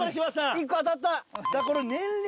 １個当たった。